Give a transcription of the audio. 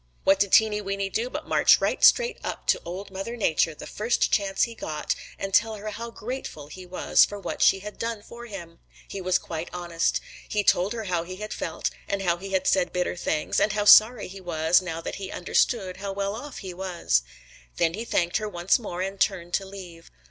"What did Teeny Weeny do but march right straight up to Old Mother Nature the first chance he got and tell her how grateful he was for what she had done for him. He was quite honest. He told her how he had felt, and how he had said bitter things, and how sorry he was now that he understood how well off he was. Then he thanked her once more and turned to leave.